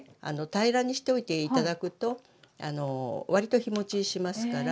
平らにしておいて頂くとわりと日もちしますから。